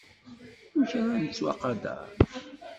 Amek ara nettwaqader.